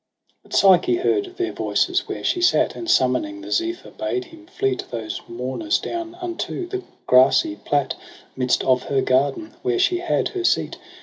But Psyche heard their voices where she sat. And summoning the Zephyr bade him fleet Those mourners down unto the grassy plat 'Midst of her garden, where she had her seat.